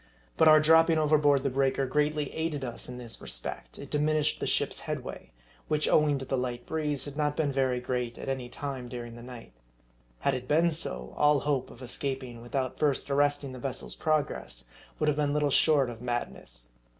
But our dropping overboard the breaker greatly aided us in this respect : it diminished the ship's headway ; which owing to the light breeze had not been very great at any time during the night. Had it been S0j all hope of escap ing without first arresting the vessel's progress, would have been little short of madness.